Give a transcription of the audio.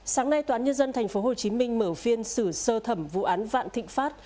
sáng nay tòa án nhân dân tp hcm mở phiên xử sơ thẩm vụ án vạn thịnh pháp